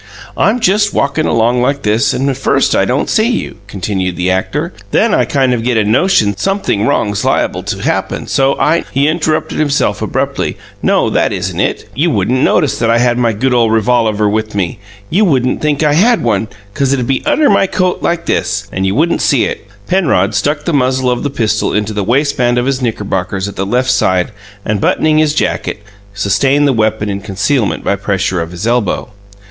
"I'm just walkin' along like this, and first I don't see you," continued the actor. "Then I kind of get a notion sumpthing wrong's liable to happen, so I No!" He interrupted himself abruptly. "No; that isn't it. You wouldn't notice that I had my good ole revolaver with me. You wouldn't think I had one, because it'd be under my coat like this, and you wouldn't see it." Penrod stuck the muzzle of the pistol into the waistband of his knickerbockers at the left side and, buttoning his jacket, sustained the weapon in concealment by pressure of his elbow.